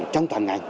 trong toàn ngành